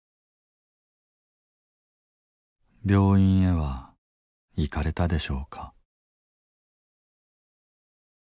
「病院へは行かれたでしょうか」。